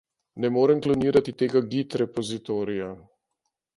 Ne morem klonirati tega git repozitorija.